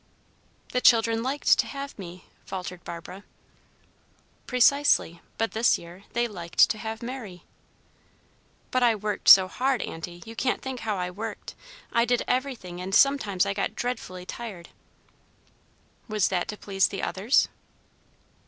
"The children liked to have me," faltered Barbara. "Precisely. But this year they liked to have Mary." "But I worked so hard, Aunty. You can't think how I worked. I did everything; and sometimes I got dreadfully tired." "Was that to please the others?"